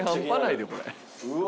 うわ。